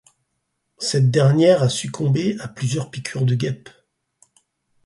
Cette dernière a succombé à plusieurs piqûres de guêpes.